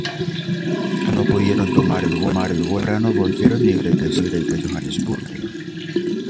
Aquellos que no pudieron tomar el vuelo más temprano volvieron y regresaron a Johannesburgo.